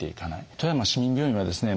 富山市民病院はですね